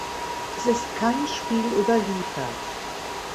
Es ist kein Spiel überliefert.